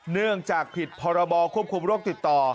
เนื่องจากผิดพรบควบคุมโรคติดต่อ